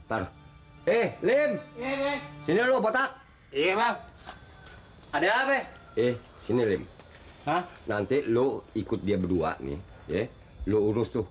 eh lim ini lu botak iya ada apa eh ini lim nanti lo ikut dia berdua nih ya lu urus tuh